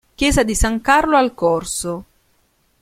Chiesa di San Carlo al Corso